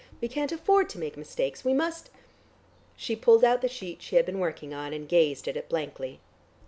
We can't afford to make mistakes. We must " She pulled out the sheet she had been working on, and gazed at it blankly.